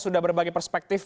sudah berbagi perspektif